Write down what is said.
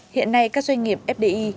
hiện nay các doanh nghiệp fdi